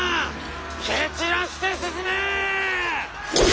蹴散らして進め！